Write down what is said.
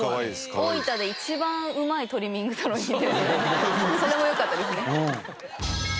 大分で一番うまいトリミングサロンに行ってるそれもよかったですね。